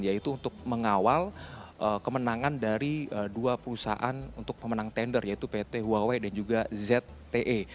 yaitu untuk mengawal kemenangan dari dua perusahaan untuk pemenang tender yaitu pt huawei dan juga zte